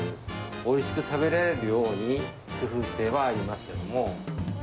おいしく食べられるように工夫してはありますけども。